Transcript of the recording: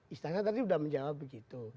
istana tadi sudah menjawab begitu